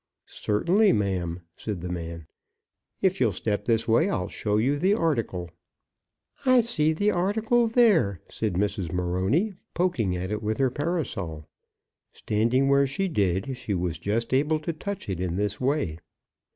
"Certainly, ma'am," said the man. "If you'll step this way, I'll show you the article." "I see the article there," said Mrs. Morony, poking at it with her parasol. Standing where she did she was just able to touch it in this way.